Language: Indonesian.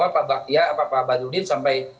pak balurin sampai